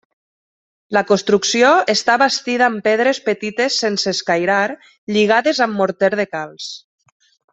La construcció està bastida amb pedres petites sense escairar lligades amb morter de calç.